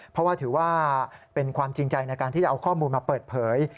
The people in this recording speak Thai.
เพราะว่าถือว่าเป็นความจริงใจในการที่จะเอาข้อมูลมาเปิดเผย